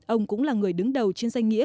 ông cũng là người đứng đầu trên danh nghĩa